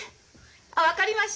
ああ分かりました。